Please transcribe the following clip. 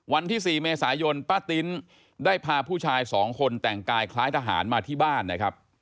วันที่๔เมษายนป้าติ๊นได้พาผู้ชายสองคนแต่งกายคล้ายทหารมาที่บ้านนะครับ